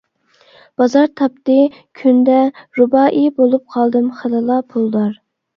«بازار» تاپتى «كۈندە. رۇبائىي» ، بولۇپ قالدىم خېلىلا «پۇلدار» .